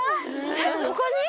えっここに？